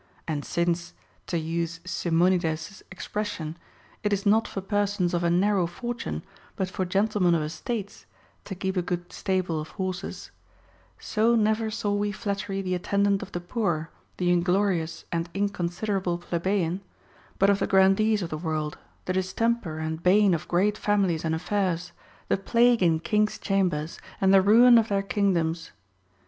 And since, to use Simon ides's expression, it is not for persons of a narrow fortune, but for gentlemen of estates, to keep a good stable of horses ; so never saw we flattery the attendant of the poor, the inglorious and inconsiderable plebeian, but of the gran dees of the world, the distemper and bane of great families and affairs, the plague in kings' chambers, and the ruin of their kino doms.